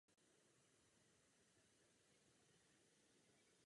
Těsně před půlnocí z nemocnice utečou zpátky na chatu.